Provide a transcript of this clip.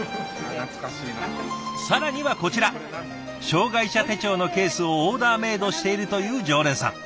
更にはこちら障害者手帳のケースをオーダーメードしているという常連さん。